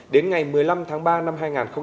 đến ngày một mươi năm tháng ba năm hai nghìn hai mươi